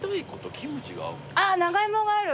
あっ長芋がある。